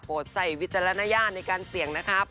ใส่วิจารณญาณในการเสี่ยงนะครับ